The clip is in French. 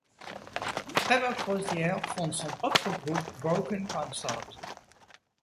Trevor Crozier fonde son propre groupe, Broken Consort.